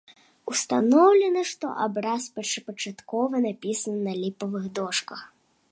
Устаноўлена, што абраз першапачаткова напісаны на ліпавых дошках.